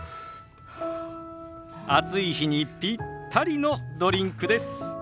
暑い日にピッタリのドリンクです。